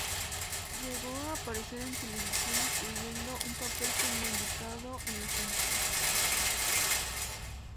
Llegó a aparecer en televisión, incluyendo un papel como invitado en "Los Simpson".